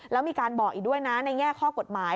แล้วมีการบอกอีกด้วยนะในแง่ข้อกฎหมาย